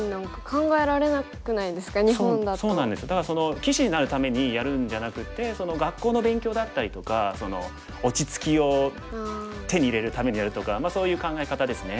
だから棋士になるためにやるんじゃなくて学校の勉強だったりとか落ち着きを手に入れるためにやるとかそういう考え方ですね。